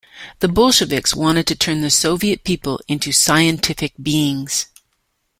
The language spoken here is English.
The Bolsheviks wanted to turn the Soviet people into "scientific beings".